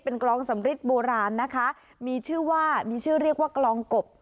กลองสำริดโบราณนะคะมีชื่อว่ามีชื่อเรียกว่ากลองกบ